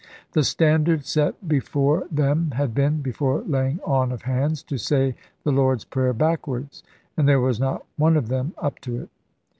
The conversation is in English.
The standard set before them had been (before laying on of hands) to say the Lord's Prayer backwards; and there was not one of them up to it.